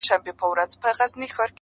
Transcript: هېري څرنگه د میني ورځی شپې سي -